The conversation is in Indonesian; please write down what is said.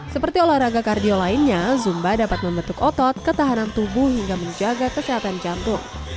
seperti olahraga kardio lainnya zumba dapat membentuk otot ketahanan tubuh hingga menjaga kesehatan jantung